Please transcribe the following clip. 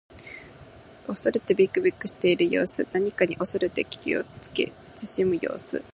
恐れてびくびくしている様子。何かに恐れて気をつけ慎む様子。